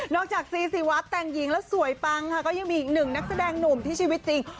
จากซีซีวัดแต่งหญิงแล้วสวยปังค่ะก็ยังมีอีกหนึ่งนักแสดงหนุ่มที่ชีวิตจริง